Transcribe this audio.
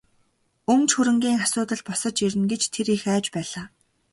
Өмч хөрөнгийн асуудал босож ирнэ гэж тэр их айж байлаа.